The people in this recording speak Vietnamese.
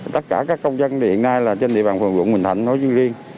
tất cả các công dân hiện nay là trên địa bàn phùng vùng bình thành nói chuyện riêng